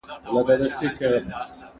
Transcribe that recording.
اګوستين د متحد حکومت د جوړولو فکر درلود.